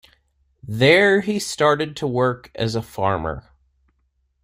There he started to work as a farmer.